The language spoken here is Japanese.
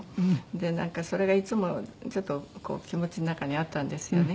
でなんかそれがいつもちょっと気持ちの中にあったんですよね。